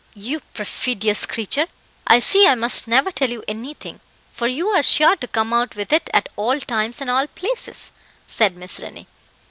"You perfidious creature, I see I must never tell you anything, for you are sure to come out with it at all times and all places," said Miss Rennie.